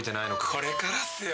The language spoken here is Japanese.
これからっすよ。